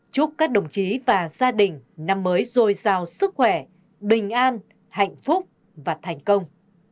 chúc các đồng chí và gia đình năm mới dồi dào sức khỏe bình an hạnh phúc và thành công